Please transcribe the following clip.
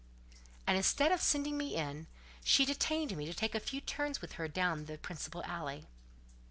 And, instead of sending me in, she detained me to take a few turns with her down the principal alley.